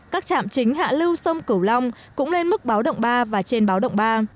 các trạm chính hạ lưu sông cửu long cũng lên mức báo động ba và trên báo động ba